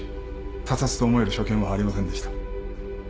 他殺と思える所見はありませんでした。